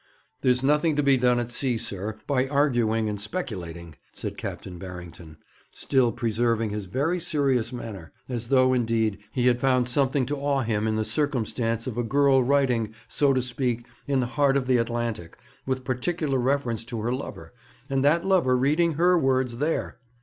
'There's nothing to be done at sea, sir, by arguing and speculating,' said Captain Barrington, still preserving his very serious manner, as though, indeed, he had found something to awe him in the circumstance of a girl writing, so to speak, in the heart of the Atlantic, with particular reference to her lover, and that lover reading her words there.